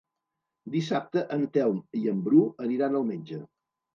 Dissabte en Telm i en Bru aniran al metge.